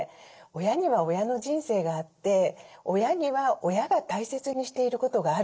親には親の人生があって親には親が大切にしていることがあると思うんです。